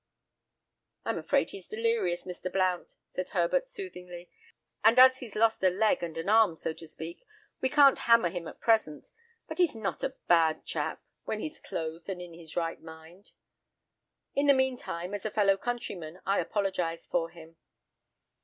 "I'm afraid he's delirious, Mr. Blount," said Herbert, soothingly, "and as he's lost a leg and an arm, so to speak, we can't hammer him at present, but he's not a bad chap, when he's clothed and in his right mind. In the meantime, as a fellow countryman, I apologise for him."